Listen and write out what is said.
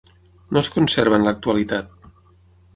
No es conserva en l'actualitat.